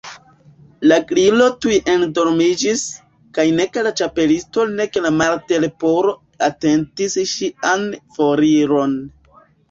La Gliro tuj endormiĝis; kaj nek la Ĉapelisto nek la Martleporo atentis ŝian foriron.